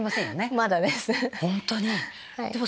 まだです。